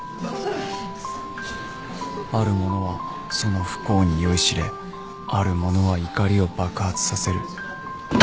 ある者はその不幸に酔いしれある者は怒りを爆発させる